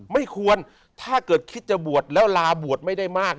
ไม่ควรถ้าเกิดคิดจะบวชแล้วลาบวชไม่ได้มาก